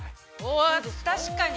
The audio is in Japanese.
◆確かに。